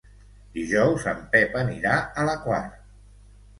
Dijous en Pep anirà a la Quar.